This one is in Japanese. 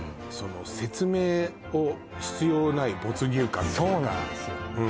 その説明を必要ない没入感っていうかそうなんですよ